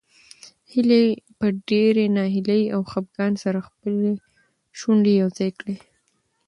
هیلې په ډېرې ناهیلۍ او خپګان سره خپلې شونډې یو ځای کړې.